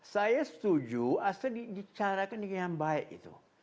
saya setuju asal dicarakan yang baik itu